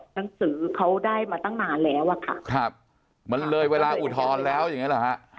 หนังสือเขาได้มาตั้งนานแล้วอะค่ะครับมันเลยเวลาอุทธรณ์แล้วอย่างนี้หรอฮะ